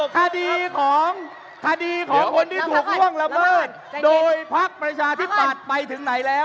คดีของคนที่ถูกล่วงละเมิดโดยภักดิ์ประชาธิปรับไปถึงไหนแล้ว